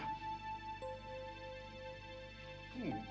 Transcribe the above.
kamu sudah berjaya